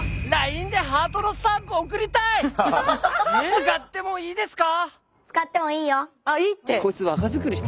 使ってもいいですか？